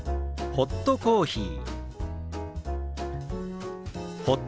「ホットコーヒー」。